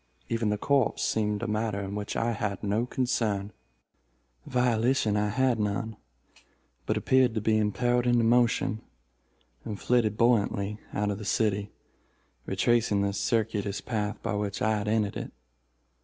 Even the corpse seemed a matter in which I had no concern. Volition I had none, but appeared to be impelled into motion, and flitted buoyantly out of the city, retracing the circuitous path by which I had entered it.